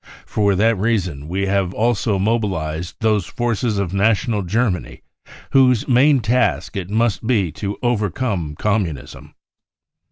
For that reason we have also mobilised those forces of national Ger many whose main task it must be to overcome Com munism.